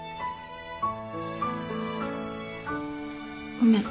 ごめん。